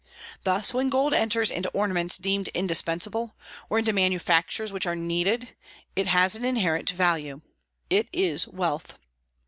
Thus when gold enters into ornaments deemed indispensable, or into manufactures which are needed, it has an inherent value, it is wealth.